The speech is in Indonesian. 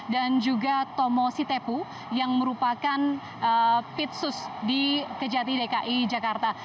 dan juga tomo sitepu yang merupakan pitsus di kejati dki jakarta